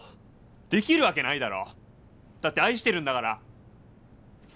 できるわけないだろ！だって愛してるんだから。